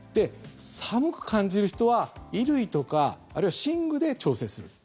寒く感じる人は、衣類とかあるいは寝具で調整する。